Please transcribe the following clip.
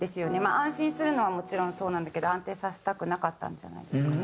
安心するのはもちろんそうなんだけど安定させたくなかったんじゃないですかね